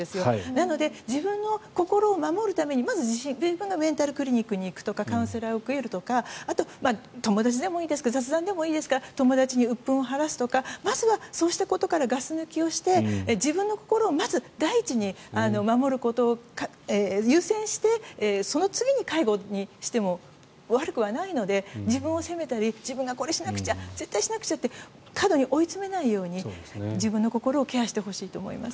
なので自分の心を守るためにまず自分がメンタルクリニックに行くとかカウンセリングを受けるとかあとは友達でもいいですから雑談でもいいですから友達にうっ憤を晴らすとかまずはそういうことでガス抜きをして自分の心をまず第一に守ることを優先してその次に介護をしても悪くはないので、自分を責めたり自分がこれをしなくちゃ絶対しなくちゃって過度に追い詰めないように自分の心をケアしてほしいと思います。